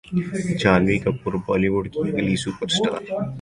Jhanvi Kapoor Bollywood کی اگلی super star